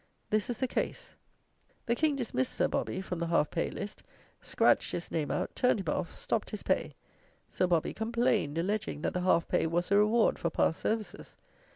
This is the case: the King dismissed Sir Bobby from the half pay list, scratched his name out, turned him off, stopped his pay. Sir Bobby complained, alleging, that the half pay was a reward for past services.